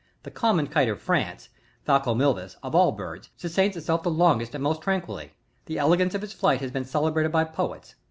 The cunmon kite of France, — Falco milvvs^ — of all birds, sustains itself the longest and most tran quilly ; the elegance of its flight has been celebrated by poet«.